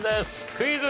クイズ。